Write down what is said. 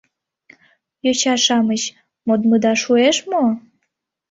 Йоча-шамыч, модмыда шуэш мо?